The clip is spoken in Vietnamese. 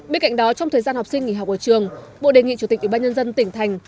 bên cạnh đó trong thời gian học sinh nghỉ học ở trường bộ đề nghị chủ tịch ubnd tỉnh thành